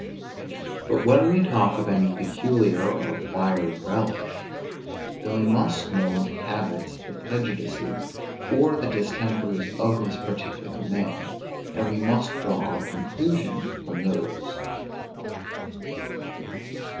But when we talk of any peculiar or acquired relish, then we must know the habits, the prejudices, or the distempers of this particular man, and we must draw our conclusion from those.